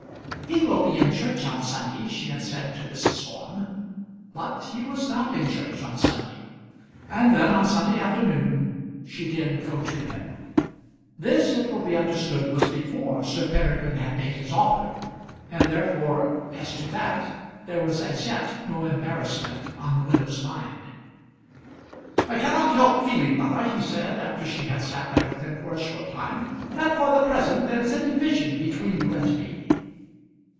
"He will be in church on Sunday," she had said to Mrs. Orme. But he was not in church on Sunday, and then on Sunday afternoon she did go to him. This, it will be understood, was before Sir Peregrine had made his offer, and therefore as to that, there was as yet no embarrassment on the widow's mind. "I cannot help feeling, mother," he said, after she had sat there with him for a short time, "that for the present there is a division between you and me."